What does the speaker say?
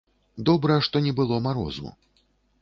Добра, што не было марозу!